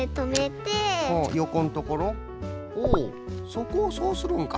そこをそうするんか。